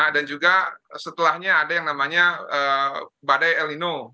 dan juga setelahnya ada yang namanya badai el nino